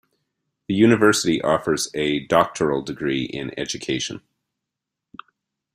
The university offers a Doctoral degree in Education.